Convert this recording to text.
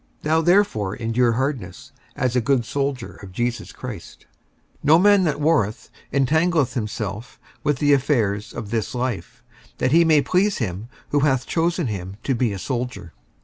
55:002:003 Thou therefore endure hardness, as a good soldier of Jesus Christ. 55:002:004 No man that warreth entangleth himself with the affairs of this life; that he may please him who hath chosen him to be a soldier.